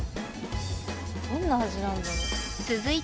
どんな味なんだろう？